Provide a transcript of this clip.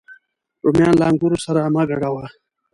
رومیان له انګورو سره مه ګډوه